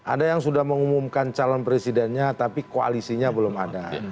ada yang sudah mengumumkan calon presidennya tapi koalisinya belum ada